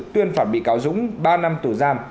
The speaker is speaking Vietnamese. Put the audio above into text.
tuyên phạt bị cáo dũng ba năm tù giam